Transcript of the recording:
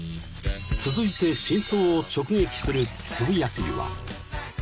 ［続いて真相を直撃するつぶやきは］